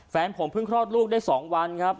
แฟนผมเพิ่งคลอดลูกได้๒วันครับ